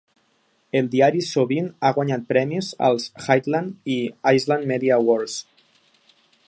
El diari sovint ha guanyat premis als Highlands i Islands Media Awards.